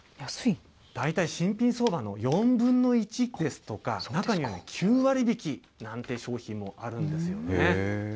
大体新品相場の４分の１ですとか、中には９割引きなんて商品もあるんですよね。